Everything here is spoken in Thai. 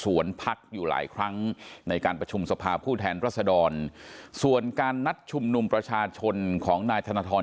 พักอยู่หลายครั้งในการประชุมสภาผู้แทนรัศดรส่วนการนัดชุมนุมประชาชนของนายธนทร